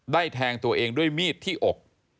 แทงตัวเองด้วยมีดที่อก